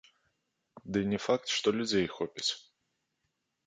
Ды і не факт, што людзей хопіць.